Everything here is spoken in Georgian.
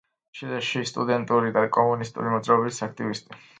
ჩილეში სტუდენტური და კომუნისტური მოძრაობების აქტივისტი.